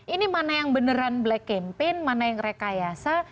ini mana yang beneran black campaign mana yang rekayasa